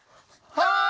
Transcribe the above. はい！